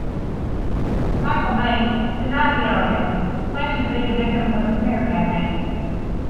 Michael Mates denied the allegations, claiming to be the victim of a smear campaign.